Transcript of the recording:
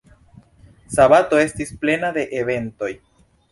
Sabato estis plena de eventoj.